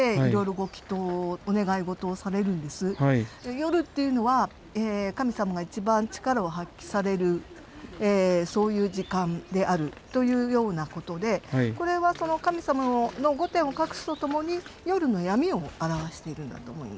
夜っていうのは神様が一番力を発揮されるそういう時間であるというようなことでこれはその神様の御殿を隠すとともに夜の闇を表しているんだと思います。